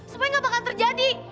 sebenarnya nggak bakal terjadi